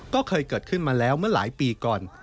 ก็เคยเกิดขึ้นมาแล้วเมื่อหลายปีก่อน